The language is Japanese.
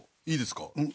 いいですか？